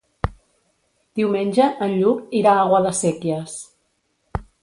Diumenge en Lluc irà a Guadasséquies.